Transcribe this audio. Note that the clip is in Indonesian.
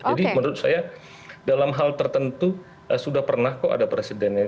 jadi menurut saya dalam hal tertentu sudah pernah kok ada presidennya